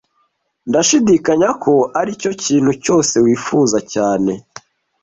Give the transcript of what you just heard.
Ndashidikanya ko aricyo kintu cyose wifuza cyane